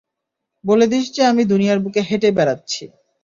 বলে দিস যে আমি দুনিয়ার বুকে হেঁটে বেড়াচ্ছি!